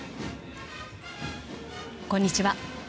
こんにちは。